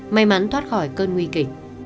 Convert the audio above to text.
may mắn thoát khỏi cơn nguy kịch